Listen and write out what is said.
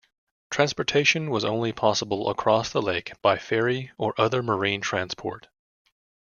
Transportation was only possible across the lake by ferry or other marine transport.